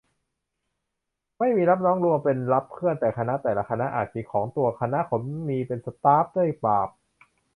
ไม่มีรับน้องรวม เป็นรับเพื่อน แต่คณะแต่ละคณะอาจมีของตัว คณะผมมี เป็นสต๊าฟด้วย บาป